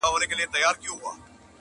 o بې سپرلیه بې بارانه ګلان شنه کړي,